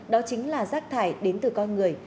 đó chính là rác thải đến từ con người